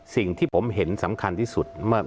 สิ่งที่ผมเห็นสำคัญที่สุดเมื่อ